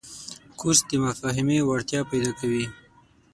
کورس د مفاهمې وړتیا پیدا کوي.